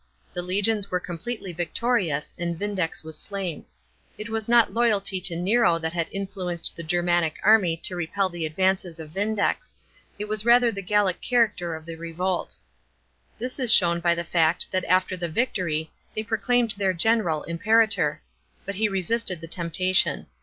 The legions were completely victorious, and Vindex was slain. It was not loyalty to Nero that had induced the Germanic army to repel the advances of Vindex : it was rather the Gallic character of the revolt. This is shown by the fact that after the victory they proclaimed their general Impcrator. But he resisted the temptation.